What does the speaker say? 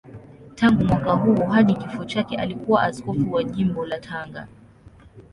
Tangu mwaka huo hadi kifo chake alikuwa askofu wa Jimbo la Tanga.